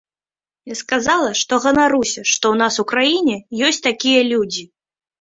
Я сказала, што ганаруся, што ў нас у краіне ёсць такія людзі.